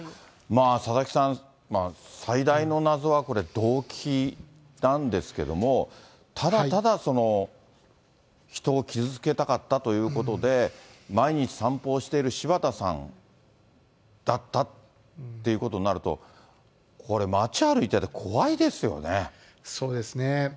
佐々木さん、最大の謎はこれ、動機なんですけども、ただただ、人を傷つけたかったということで、毎日散歩をしている柴田さんだったっていうことになると、これ、そうですね。